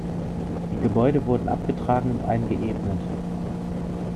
Die Gebäude wurden abgetragen und eingeebnet.